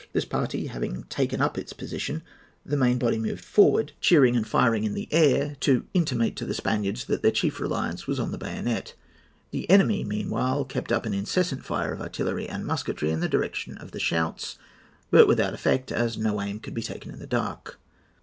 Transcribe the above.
This party having taken up its position, the main body moved forward, cheering and firing in the air, to intimate to the Spaniards that their chief reliance was on the bayonet. The enemy, meanwhile, kept up an incessant fire of artillery and musketry in the direction of the shouts, but without effect, as no aim could be taken in the dark.